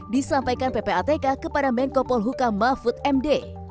disampaikan ppatk kepada menko polhuka mahfud md